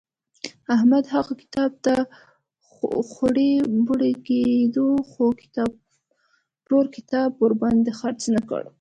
احمد هغه کتاب ته خوړی بوړی کېدو خو کتابپلور کتاب ورباندې خرڅ نه کړ.